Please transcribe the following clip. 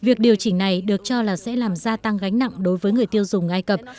việc điều chỉnh này được cho là sẽ làm gia tăng gánh nặng đối với người tiêu dùng ai cập